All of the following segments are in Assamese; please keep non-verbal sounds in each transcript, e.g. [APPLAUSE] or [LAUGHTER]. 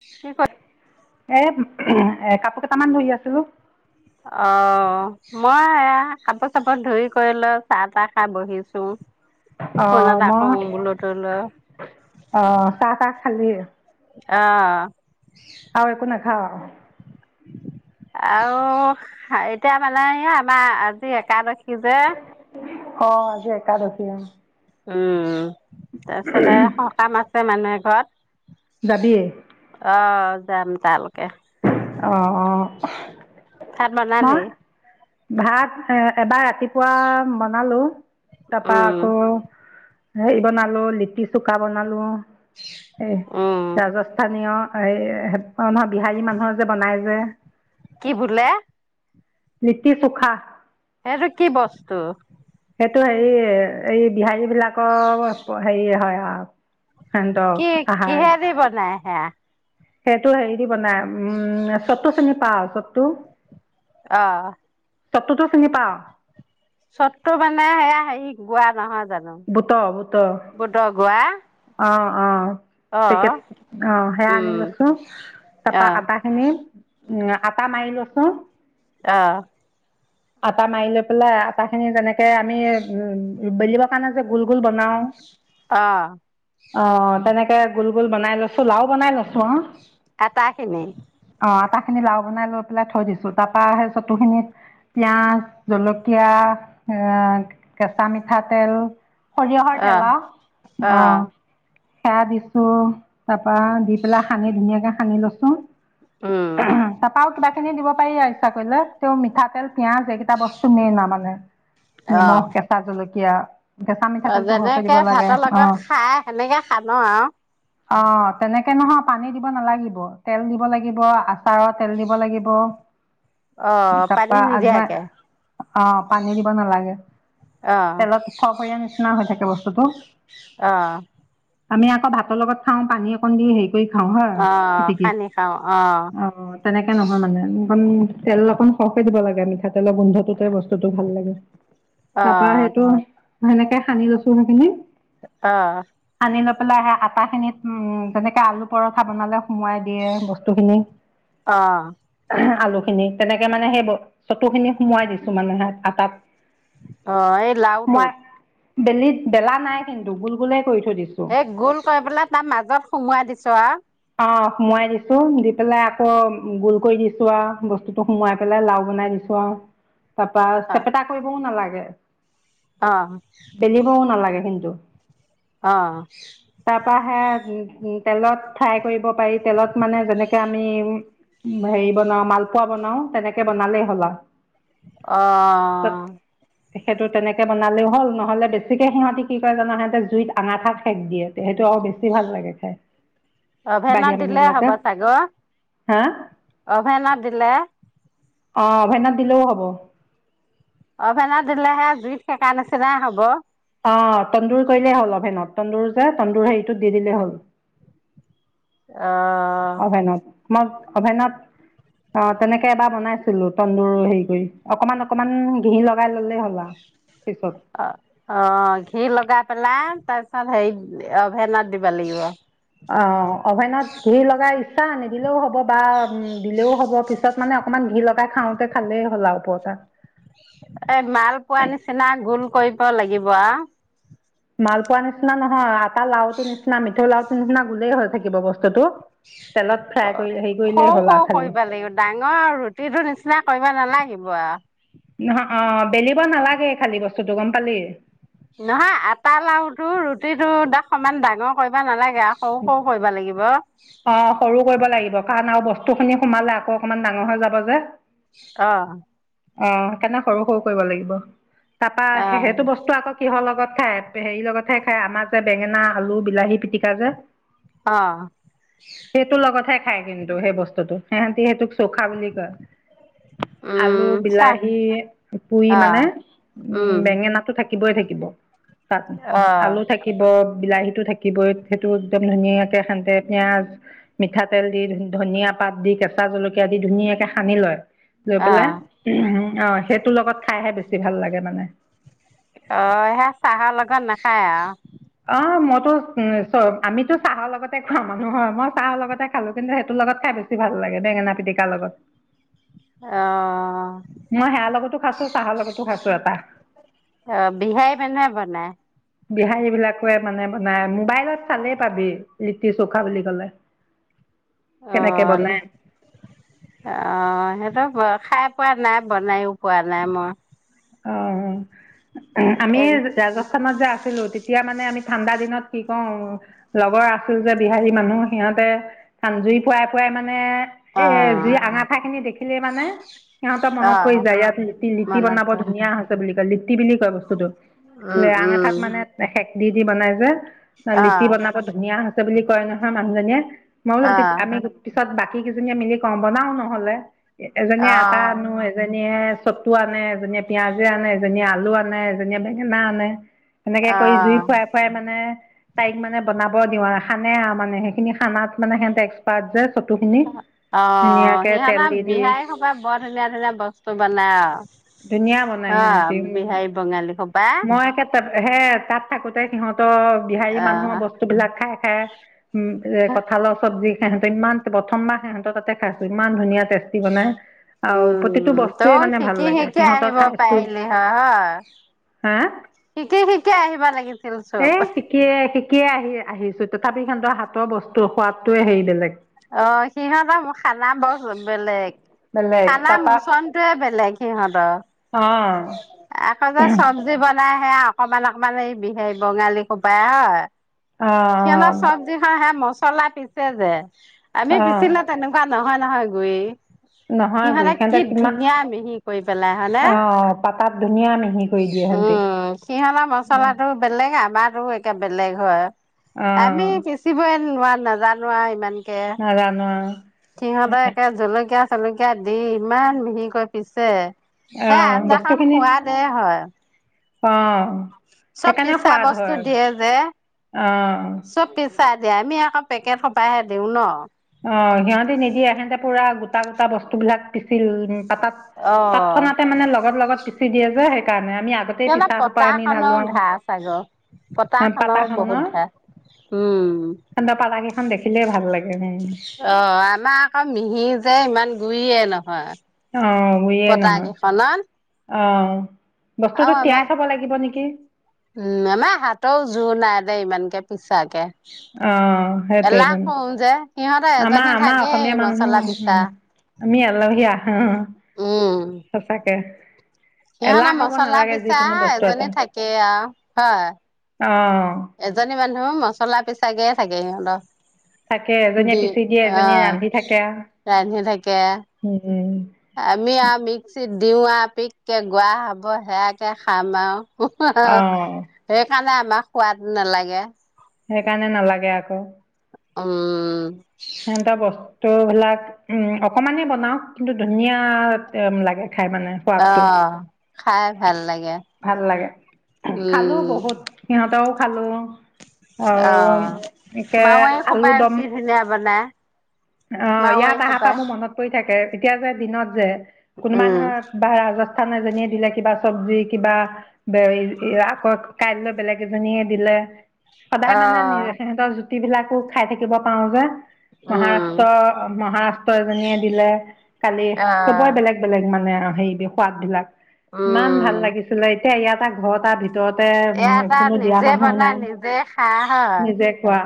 কি কয়। এ এ কাপোৰ কেইটামান ধুই আছিলো। অ মই এয়া কাপোৰ চাপোৰ ধুই কৰি লৈ চাহ তাহ খাই বহিছো। অ ফোন এটা মই কৰো বোলো তোলৈ অ চাহ তাহ। খালি এই । অ। অহ। আৰু এতিয়া মানে আমাৰ আজি একাদশী। যে অ আজি একাদশী অ। উম। তাৰপিছতে সকাম আছে মানুহে। ঘৰত। যাবি অহ। য়াম তালেকে। অ। ভাত বনালি। ভাত এ এবাৰ। ৰাতিপুৱা বনালো। টাপা উম আকৌ। হেৰি বনালো লিটি চুকা বনালো। এ উম ৰাজস্থানীয় হেৰি বিহাৰী মানুহৰ যে বনাই যে কি বুুলে নিতি চুখা এইটো কি বস্তু এইটো হেৰি এই বিহাৰী এই বিলাকৰ হেৰি হয় অ কি কিহেদি বনাই আহে সেইটো হেৰি দি বনাই উম ছতো শ্ৰেণী পাও আহ চবটোতো চিঙি পা চততটো মানে সেয়া হেৰি গোৱা নহয় জানো বুত বুত বুটৰ গোৱা আহ অ অ পেকট অ সেয়া আনি উম লৈছো তাৰাপা আহ আটা খিনি উম আটা মাৰি লৈছো আহ আটা মাৰি লৈ পেলাই আটা খিনি যেনেকে আমি উম বলিব ান যে গ গল বনাওঁ আহ অ তেনেকে গোল গোল বনাই লৈছো লাও বনাই লৈছো অ এটাখিনি আটা খিনি লাও বনাই লৈ পেলাই থৈ দিছো তাৰ পৰাা সেই চতু খিনিত পিয়ঁয়াজ জলকীয়া এ কেঁচা মিঠাত তেল সৰিয়হৰ আহ তেল অ আহ সেৱ দিছো তাৰ পৰা দি পেলাই সানি ধুনীয়াকে সানি লৈছো উম তাপাও কিবা খিনি দিব পাৰি আৰু কৰিলে তেওঁ মিঠাতেল পিয়াজ এইকেইটা বস্তু মেইন মানে নিমখ কেঁচা জলকীয়া তিয়া অ যেনেকে ভাতৰ লগত খাই সেনেকে হান আৰু অ তেনেকে নহয় পানী দিব নালাগিব তেল দিব লাগিব আ। চাৰৰ তেল দিব লাগিব অ পানী তাৰপা নিদিয়াকে আযোবাই অঁ পানী দিব নালাগে। অ তেলত ফফৈয়া নিচিনা হৈ থাকে। বস্ত টো আহ। আমি আকৌ ভাতৰ লগত খাওঁ পানী অকণ দি হে। কৰি খাও হ অ পিটিকি সানি খাওঁ অ তেনেকে নহয় মানে। অ তেল অকন সৰহকে দিব লাগে মিঠাতেলৰ গোন্ধটোতে বস্তুতটো ভাল লাগে অ তাৰপা সেইটো সেনেকে সানি লৈছো সেইখিনি অ। সানি লৈ পেলাই আহে আটাখিনিত যেনেকে আলু পৰঠা বনালে। সোমোৱাই দিয়ে বস্তু খিনি। অ আলু খিনি তেনেকে মানে সেই চতু খিনি সোমোৱাই দিছো মানে আটাত। অ এই লাউটো ত বেলি বেলা নাই কিন্তু গুল গোলে কৰিছোঁ। এই গোল কৰি পেলাই তাৰ মাজত সুমুৱাই দিছো আৰু অঁ সোমোৱাই দিছো দি পেলাই আকৌ গোল কৰি দিছো আৰু বস্তুটো সোমোৱাই পেলাই লাও বনাই দিছো আৰু তাৰপা অ চেপেটা কৰিবও নালাগে। অ উ। বেলিবও নালাগে। কিন্ত। আহ। তেলত ফ্ৰাই কৰিব পাৰি তেলত মানে যেনেকে আমি হেৰি বনাও মালপোৱা বনাও তেনেকে বনালেই হ'ল আৰু। আহ সেইটো তেনেকে তেনেকে বনালেও হ'ল নহ'লে বেছিকে সিহঁতি কি কৰে জানা সিহঁতে জুইত আঙাঠাত সেক দিয়ে তে সেইটো আৰু বেছি ভাল লাগে খাই অভেনত বাহিৰা মানুহ দিলে হ'ব বিলাকে ছাগ হা অভেনত দিলে আহ অভেনথ দিলেও হব অভেনত দিলেহে জুইত সেকাৰ নিচিনা হব। অহ তন্দুৰ কৰিলেই হ'ল অভেনত তন্দুৰ যে তন্দুৰ হেৰিটোত দি দিলেই হ'ল অ হয়ে ন মই‌। অভেনত অ তেনেকে এবাৰ বনাইছিলো তন্দুৰ হেৰি কৰি অকমান অকমান ঘি লগাই ললেই হ'ল আৰু। পিছত অ অ ঘি লগগাই পেলাই তাৰপিছত হেৰি অভেন দিব লাগিব অ অভেনত ঘ লগাইছে পচা আনি দিলেও হ'ব বা উম দিলেও হ'ব পিছত মানে অকমান ঘি লগাই খাওতে খালেই হ'ল আৰু ওপৰতাত‌ এ মাল পোৱা নিচিনা গোল কৰিব লাগিব আৰু মাল পোৱা নিচিনা নহয় এটা লাওটো নিচনা মিঠৈ লাও নিচিনা গোলেই হৈ থাকিব বস্তুটো তেলত ফ্ৰাই অ কৰি হেৰি কৰিলেই সৰু হ'ল সৰু আৰু খালি কৰিব লাগিব ডাঙৰ আৰু ৰুটিটোো নিচিনা কৰিব নালাগিব ব নহ অ বেলিব নালাগে খালী বস্তুটো গম পালি নহয় আটা লাওতটো ৰুটি টো দাক সমমান ডাঙৰ কৰিব নালাগে আৰু সৰু সৰু কৰিব লাগিব। অ সৰু কৰিব লাগিব কাৰণ আৰু বস্তু ফসু খিনি সোমালে আকৌ অকমান ডাঙৰ হৈ যাব যে অহ অ তেনে সৰু সৰু কৰিব লাগিব তাৰপা সেইটো অ', বস্তু আকৌ কিহৰ লগত খাই হেৰি লগতহে খাই আমাৰ যে বেঙেনা আলু বিলাহী পিটিকা যে অ খাই কিন্তু সেই বস্তুতটো সিহঁতি সেইটোক চৌখা বুলি কয় আলু উম, চা বিলাহী পুৰি মানে অ', উম বেঙেনা টো থাকে থাকিবই থাকিব তাত আলু অ', থাকিব বিলাহীতো থাকিবই সেইটো একদম ধুনীয়াকে সানে পিয়াঁজ মিঠাতেল দি ধনিয়া পাত দি কেঁচা জলকীয়া দি ধুনীয়াকে সানি লয় লৈ অ'। পেলাই উ অ সেইটোৰ লগত খাইহে বেছি ভাল লাগে মানে অ সে চাহৰ লগত নাখায় আৰু আহ মইতো উ আমিতো চাহৰ লগতে খোৱা মানুহ হয় মই চাহৰ লগতে খালো কিন্তু সেইটোৰ লগত খাই বেছি ভাল লাগে বেঙেনা পিটিকা লগত অ মই সোৰ লগতো খাইছো চাহৰ লগতো খাইছো এটা অ বিহাৰী মানুহে বনাই বিহাৰী বিলাকে মানে মানে মোবাইলত চালেই পাবি লিটি চৌখা বুলি কলে অ কেনেকে বনাই অ সেইটো বড় খাই পোৱা নাই বনাইো পোৱা নাই মই আহ আমি এ ৰাজস্থানত যে আছো ছিলো তেতিয়া মানে আমি ঠাণ্ডা দিনত কি কওঁ লগৰ আছিল যে বিহাৰী মানুহ সিহতে জুই ফুৱাই ফুৱাই মানে মানে অ এ জুই এঙেঠা খিনি দেখি খিনি মানে সিহঁতৰ অ মনত পৰি যায় ইয়াত লিতি লিতি মনত বনাব পৰে হৈছে বুলি কয় লিপ্তি বুলি কয় বস্তুটো উম আঙাঠাত উম মানে শেষ দি দি বনাই যে ন অ লিটি বনাব ধুনীয়া হৈছে বুলি কয় নহয় মানুহজনীয়ে অ [UNINTELLIGIBLE] পিছত বাকী কেইজনীয়ে মিলি কওঁ বনাও নহ'লে এজনী অ আটা আনো এজনী নে চতু আনে যে পিয়াজে আনে এজনীয়ে আলু আনে এজনীয়ে বেঙেনা আনে সেনেকে অ কৰি জুই ফুৰাই ফুৰাই মানে তাইক মানে বনাব দি আৰু খানে মানে সেইখিনি খানাত মানে সিহঁতে এক্সপাৰ্ট যে চতুখিনি অ ধুনীয়াকে তেল সিহঁতৰ দি দি বিহাৰ সবাই বৰ ধুনীয়া ধুনীয়া বস্তু বনাই ধুনীয়া বনাই আৰু অ সিহঁতি বিহাৰী বঙালী খবা মই একে হে তাত থাকোতে সিহঁত অ বিহাৰী মানুহৰ বস্তু বিলাক খাই হা উম এ কঁঠাল চব্জি সিহঁত ইমান প্ৰথমাহ সিহঁত তাতে খাইছো ইমান ধুনীয়া টেষ্টি বনাই আৰু প্ৰতিটো বস্তুৱে মানে ভাল লাগে শিকে সিহঁতৰ আহিব খাইছোঁ পাৰিলি হয় হয় হা শিকে শিকে আহিবা লাগিছিল এই চব শিকিয়ে শিকিয়ে আহি আহিছো তথাপি সন্তৰ হাতৰ বস্তুৰ সোৱাদটোৱে হেৰি বেলেগ অ সিহঁতৰো খানা বহুত বেলেগ বেলেগ খানা তাৰপা মোচনটো য়ে বেলেগ সিহঁতৰ অঁ আকৌ যে চব্জি বনাই আহে অকমান অকমান আহিবি সেই বঙালী খোপাই অ অঁ সিহঁতৰ চব্জি খা হে মছলা পিছ চে জে আমি অঁ পিছিলে তেনেকোৱা নহয় নহয় গৈয়ে নহয় সিহঁতে গুৰি কি কিমান ধুনীয়া মিহি কৰি পেলাই হয়নে অঁ পাতাত ধুনীয়া মিহি কৰি দিয়ে সিহঁতি উম সিহঁতৰ মচলাটো বেলেগ আমাৰ আৰু এতিয়া বেলেগ হয় আমি অঁ কেচি বয়ন নোৱা নাজানো আৱ ইমান কে নাজানো আৰু সিহঁতে একে জলকীয়া জলকীয়া দি ইমান মিহিকৈ পিছে অ সেই আঞ্জাখন বস্তুখিনি সোৱাদে হয় অ চব সেইকাৰণে পিছা সোৱাদ বস্তু হয় দিয়ে যে অ চব পিছা দিয়ে আমি পেকেট সোপাহে দিওঁ ন অ সিহঁতে নিদিয়ে হেতে পুৰা গোটা গোটা বস্তুবিলাক পিছি উ তাত অ তৎক্ষণাতে মানে লগত লগত পিচি দিয়ে যে সেই আমি আগতেই সিহঁতৰ পিছা সোপা আমি পতাখনৰো ঢালোৱা ধাৰ চাগৈ পাতা পতাখনৰো বহুত খনৰ ধাৰ উম হেতৰ পাতা কেইখন দেখিলে ভাল লাগে হে অ আমাৰ আকৌ মিহি যে ইমান গুইয়ে নহয় অ গোৰিয়ে পতা কেইখনত নহয় অ আৰু বস্তুটো আমাৰ তিয়াই থব লাগিব নেকি উম আমাৰ হাতৰ জোৰ নাই দে ইমানকে পিছাকে অ সেইটোয়ে এলাহ জানো কৰো যে সিহঁতে আমাৰ এজনী আমাৰ থাকেই অসমীয়া মচলা মানুহ পিছা উ আমি আলহী আহ উম সঁচাকে এলাহ সিহঁতৰ হব মচলা নালাগে পিছা যিকোনো বস্তু এটা এজনী থাকে আৱ হয় অ এজনী মানুহ মছলা পিছাগে থাকে সিহঁতৰ থাকে এজনীয়ে দি পিচি দিয়ে অ এজনীয়ে ৰাান্ধি থাকে ৰান্ধি থাকে উম আমি আ মিক্সিত দিওঁৱা পিককৈ গোৱা হ'ব সেয়াকে খাম আৰু অ সেই কাৰণে আমাক সোৱাদ নালাগে সেইকাৰণে নালাগে আকৌ উম সিহতৰ বস্তু ত'বিলাক উম অকমানে বনাও কিন্তু ধুনীয়া লাগে খাই মানে অ সোৱাদটো খাই ভাল লাগে ভাল লাগে খালো উম বহুত সিহঁতেও হেল্ল' অ মাৰুৱাৰি আলু সোপাই দম কি ধুনীয়াকে বনাই অ ইয়াত আহা পৰা মোৰ মনত পৰি থাকে এতিয়া যে দিনত যে, কোনোবা উম নহয় ভাৰা [UNINTELLIGIBLE] এজনীয়ে দিলে কিবা চব্জি কিবা, [UNINTELLIGIBLE] আকৌ কাইলৈ বেলেগ এজনীয়ে দিলে। সদায় মানে আহ নি-সিহঁতৰ ৰুটিবিলাকো খাই থাকিব পাও যে, মহাৰাষ্ট্ৰ, মহাৰাষ্ট্ৰৰ এজনীয়ে দিলে, কালি চবয়েই বেলেগ-বেলেগ মানে আও সেই সোৱাদবিলাক ইমান ভাল উম লাগিছিলে [UNINTELLIGIBLE] ভিতৰতে এটা উ-কোনো দিয়া নিজে মানুহো বনা নাই। নিজে খা হয় নিজে খোৱা,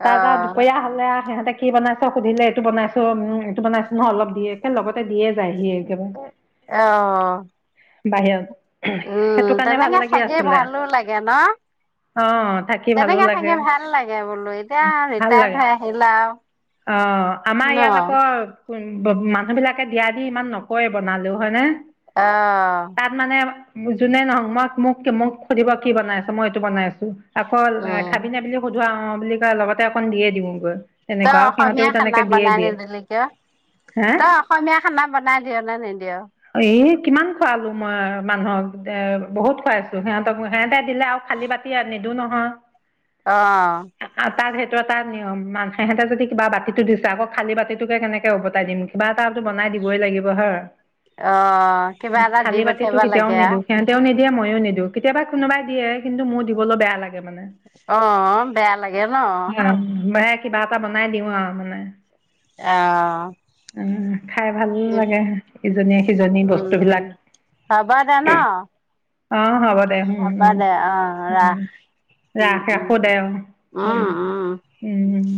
অ তাৰপৰা দুপৰীয়া হ'লে আও সিহঁতে কি বনাইছে সুধিলে এইটো বনাইছো উম, এইটো বনাইছো ন অলপ দিয়ে একে লগতে দিয়ে যায়হি। একেবাৰে অ' বাহিৰত উম সেইটো কাৰণে ভাল তেনেকে লাগি চাগে আছিলে। ভালো লাগে ন? অ' থাকি ভালো তেনেকে লাগে, থাকি ভাল লাগে বোলো এতিয়া ভাল ৰিটায়াৰ্ড লাগে। হৈ আহিলা। আৰু অ' আমাৰ ন ইয়াত অ আকৌ মানুহবিলাকে দিয়া-দি ইমান নকৰে বনালেও হয়নে? অ' তাত মানে যোনে নহক ম-মোক সুধিব কি বনাইছ? মই এইটো বনাই আছো। আকৌ উম খাবি না বুলি সোধো অ' বুলি ক-লগতে অকণ দিয়ে দিওগৈ। তই অসমীয়া খানা বনাই নিদিলি কিয়? তই হা? অসমীয়া খানা বনাই দিয় নে নিদিয়? দে বহুত খুৱাইছো সিহঁতক, সিহঁতে দিলে আৰু খালী বাতি নিদো নহয়। অ'। তাত সেইটো এটা নিয়ম, মানে সিহঁতে যদি কিবা বাতিটো দিছে আকৌ খালী বাতিটোকে কেনেকে ওভতাই দিম, কিবা এটাটো বনাই দিবই লাগিব হয়! অ' কিবা এটা দি পঠিয়াবা লাগে। দিয়ে ময়ো নিদিওঁ, কেতিয়াবা কোনোবাই দিয়ে কিন্তু মোৰ দিবলৈ বেয়া লাগে। মানে অ' বেয়া লাগে ন? অ কিবা এটা বনাই দিওঁ আৰু মানে। অ'। উম খাই ভাল লাগে, ইজনীয়ে সিজনীৰ উম, বস্তুবিলাক। হ'ব দে ন? অ'। হ'ব দে হ'ব দে অ' উ-উম-উম ৰাখ। উম, ৰাখ, উম, ৰাখো দে, অ' হ'ল উম, দে। উম। উম উম।